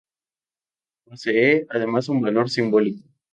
Posee además un valor simbólico.